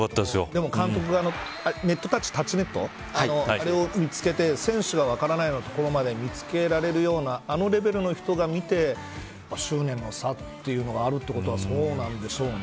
でも監督がタッチネットを見つけて選手が分からないようなところまで見つけられるようなあのレベルの人が見て執念の差というのがあるということはそうなんでしょうね。